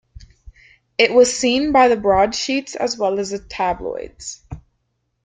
It was seen by the broadsheets as well as the tabloids.